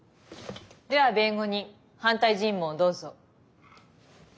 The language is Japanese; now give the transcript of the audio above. では弁護人反対尋問をどうぞ。